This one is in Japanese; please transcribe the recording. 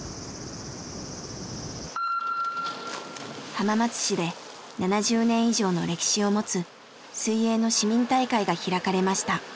浜松市で７０年以上の歴史を持つ水泳の市民大会が開かれました。